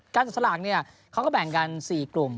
จับสลากเนี่ยเขาก็แบ่งกัน๔กลุ่ม